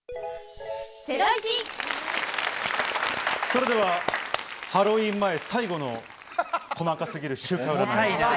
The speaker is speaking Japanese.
それではハロウィン前、最後の細かすぎる週間占い。